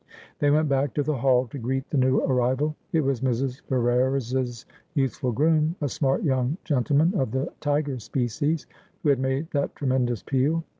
They went back to the hall to greet the new arrival. It was Mrs. Ferrers's youthful groom, a smart young gentleman of the tiger species, who had made that tremendous peal.